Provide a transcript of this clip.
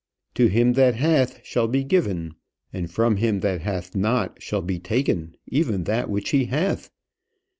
To him that hath shall be given; and from him that hath not shall be taken even that which he hath.